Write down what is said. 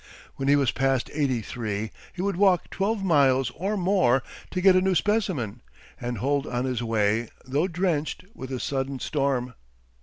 When he was past eighty three he would walk twelve miles or more to get a new specimen, and hold on his way, though drenched with a sudden storm.